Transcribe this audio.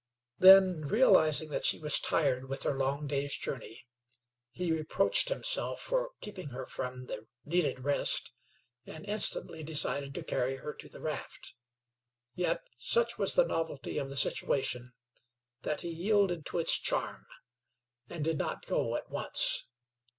Then, realizing that she was tired with her long day's journey, he reproached himself for keeping her from the needed rest, and instantly decided to carry her to the raft. Yet such was the novelty of the situation that he yielded to its charm, and did not go at once.